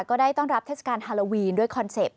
ก็ได้ต้อนรับเทศกาลฮาโลวีนด้วยคอนเซ็ปต